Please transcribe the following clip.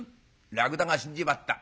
「『らくだが死んじまった。